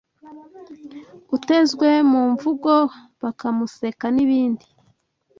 utezwe mu mvugo bakamuseka n’ibindi